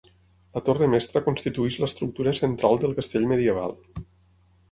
La torre mestra constitueix l'estructura central del castell medieval.